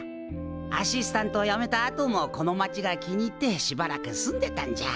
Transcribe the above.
アシスタントをやめたあともこの町が気に入ってしばらく住んでたんじゃ。